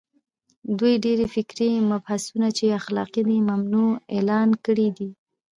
دوی ډېر فکري مبحثونه چې اختلافي دي، ممنوعه اعلان کړي دي